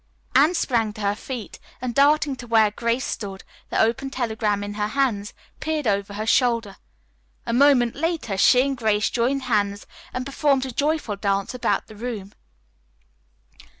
Anne sprang to her feet, and darting to where Grace stood, the open telegram in her hands, peered over her shoulder. A moment later she and Grace joined hands and performed a joyful dance about the room.